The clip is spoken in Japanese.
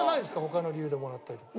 他の理由でもらったりとか。